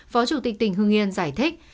phó chủ tịch tỉnh hưng yên giải thích